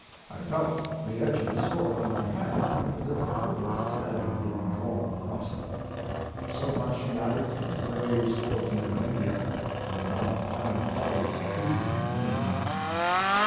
I felt the edge of the sword on my hand as if a cold thread had been drawn across it. So much (he added) for the brave swordsmen of India, whom our fine fellows defeated at Meeanee."